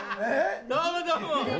どうもどうも。